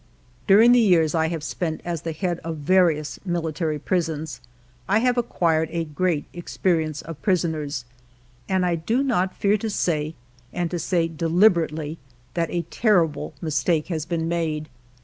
During the years that I have spent as the head of various military prisons, I have acquired a great experi ence of prisoners, and I do not fear to say, and to say deliberately, that a terrible mistake has been made.